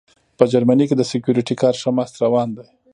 په جرمني کې د سیکیورټي کار ښه مست روان دی